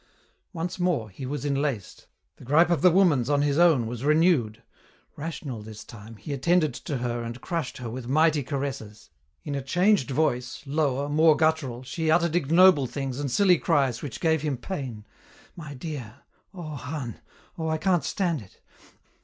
Once more, he was enlaced; the gripe of the woman's on his own was renewed; rational, this time, he attended to her and crushed her with mighty caresses. In a changed voice, lower, more guttural, she uttered ignoble things and silly cries which gave him pain "My dear! oh, hon! oh I can't stand it!"